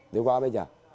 để qua bây giờ